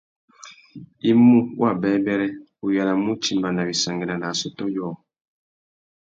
I mú wabêbêrê, u yānamú utimba nà wissangüena nà assôtô yôō.